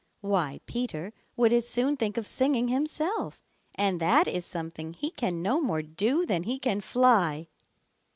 Why, Peter would as soon think of singing himself, and that is something he can no more do than he can fly.